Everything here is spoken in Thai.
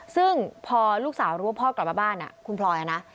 ซึ่งพอลูกสาวรู้ว่าพ่อกลับมาบ้านคุณพลอยนะ